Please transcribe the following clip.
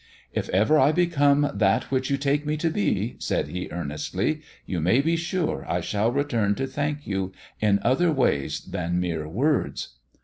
^ "If ever I become that which you take me to be," said he earnestly, " you may be sure I shall return to thank you in other ways than mere words."